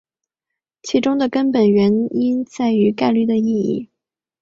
其中的根本原因在于概率的定义。